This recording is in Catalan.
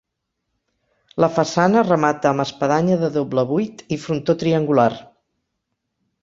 La façana remata amb espadanya de doble buit i frontó triangular.